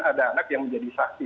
ada anak yang menjadi saksi